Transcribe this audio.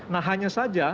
nah hanya saja